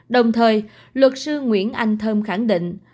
đồng thời luật sư nguyễn anh thơm khẳng định